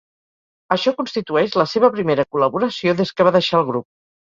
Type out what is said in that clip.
Això constitueix la seva primera col·laboració des que va deixar el grup.